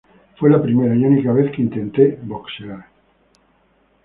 Fue la primera y única vez que intente boxear".